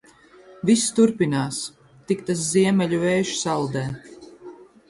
Viss turpinās. Tik tas ziemeļu vējš saldē.